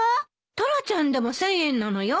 タラちゃんでも１，０００円なのよ？